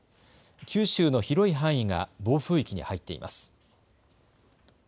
九州の広い範囲が暴風域に入っています。